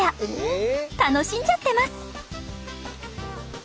楽しんじゃってます！